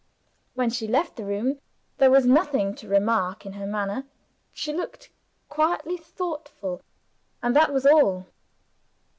When she left the room there was nothing to remark in her manner; she looked quietly thoughtful and that was all.